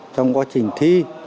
trong quá trình thi